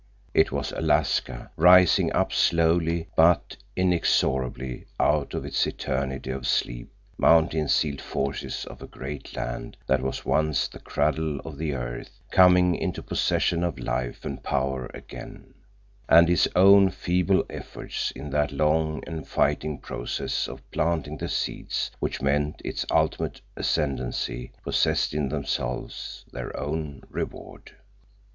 It was Alaska rising up slowly but inexorably out of its eternity of sleep, mountain sealed forces of a great land that was once the cradle of the earth coming into possession of life and power again; and his own feeble efforts in that long and fighting process of planting the seeds which meant its ultimate ascendancy possessed in themselves their own reward.